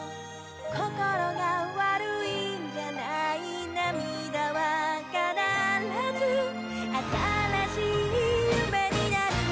「こころが悪いんじゃない」「涙はかならずあたらしい夢になる」